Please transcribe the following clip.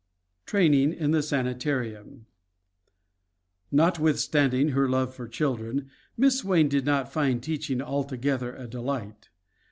TRAINING IN THE SANITARIUM Notwithstanding her love for children, Miss Swain did not find teaching altogether a delight.